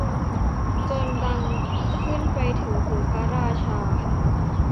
จนดังขึ้นไปถึงหูพระราชา